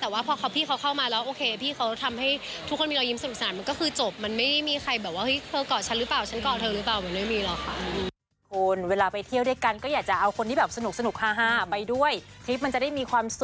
จะพอพี่เขาเข้ามาแล้วพี่เขาทำให้ทุกคนมีรอยิ้มสุข